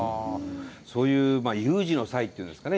そういう有事の際っていうんですかね